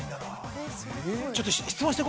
◆ちょっと質問して。